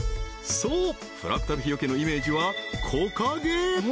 そうフラクタル日よけのイメージは木陰！